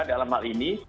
dalam hal ini